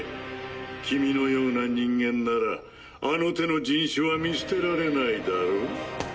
君のような人間ならあの手の人種は見捨てられないだろう？